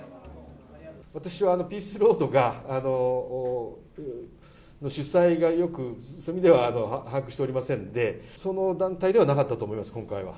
私はピースロードの主催がよく、把握しておりませんで、その団体ではなかったと思います、今回は。